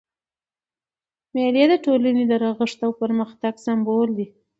مېلې د ټولني د رغښت او پرمختګ سمبول دي.